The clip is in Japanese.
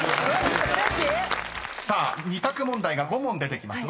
［２択問題が５問出てきます。